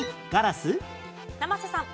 生瀬さん。